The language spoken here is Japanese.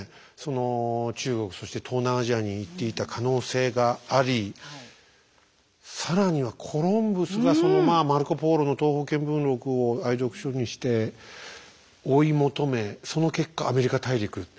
その中国そして東南アジアに行っていた可能性があり更にはコロンブスがそのまあマルコ・ポーロの「東方見聞録」を愛読書にして追い求めその結果アメリカ大陸。